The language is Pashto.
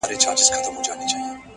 د هجرت غوټه تړمه روانېږم ـ